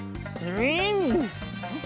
うん。